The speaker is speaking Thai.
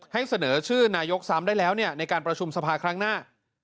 เสนอชื่อนายกซ้ำได้แล้วในการประชุมสภาครั้งหน้า